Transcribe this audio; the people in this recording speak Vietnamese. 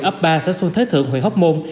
ấp ba xã xuân thế thượng huyện hóc môn